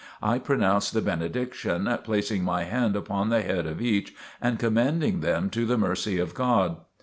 I pronounced the benediction, placing my hand upon the head of each, and commending them to the mercy of God.